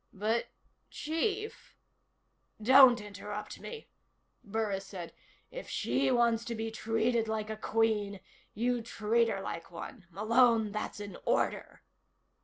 "But, Chief " "Don't interrupt me," Burris said. "If she wants to be treated like a Queen, you treat her like one. Malone, that's an order!"